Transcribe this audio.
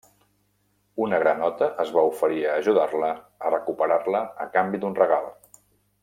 Una granota es va oferir a ajudar-la a recuperar-la a canvi d'un regal.